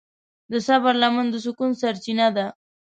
د صبر لمن د سکون سرچینه ده.